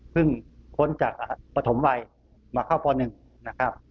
เพิ่งพ้นจากปฐมวัยมาเข้าพอหนึ่งนะครับ